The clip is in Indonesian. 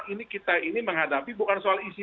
ini kita ini menghadapi bukan soal isi